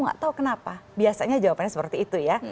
nggak tahu kenapa biasanya jawabannya seperti itu ya